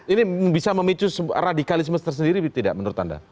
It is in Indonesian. ini bisa memicu radikalisme tersendiri tidak menurut anda